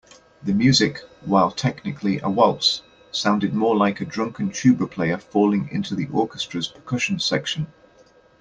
The music, while technically a waltz, sounded more like a drunken tuba player falling into the orchestra's percussion section.